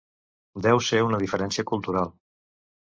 Deu ser una diferència cultural.